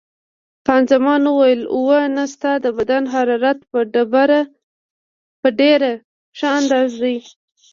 خان زمان وویل: اوه، نه، ستا د بدن حرارت په ډېره ښه اندازه دی.